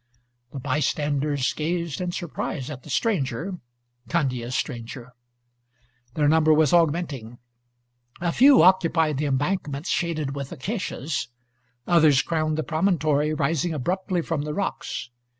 The bystanders gazed in surprise at the stranger, Candia's stranger. Their number was augmenting. A few occupied the embankment shaded with acacias; others crowned the promontory rising abruptly from the rocks.